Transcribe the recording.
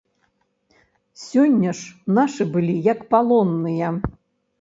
Сёння ж нашы былі, як палонныя.